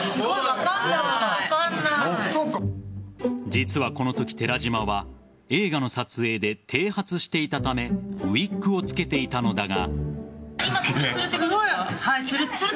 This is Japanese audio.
実は、このとき寺島は映画の撮影で剃髪していたためウイッグをつけていたのだが。